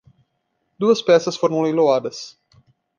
Duas peças foram leiloadas